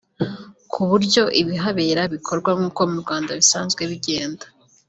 ku buryo ibihabera bikorwa nk’uko mu Rwanda bisanzwe bigenda